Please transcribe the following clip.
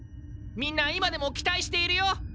みんな今でも期待しているよ！